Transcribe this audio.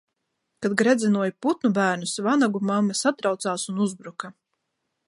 Kad gredzenoja putnu bērnus, vanagu mamma satraucās un uzbruka.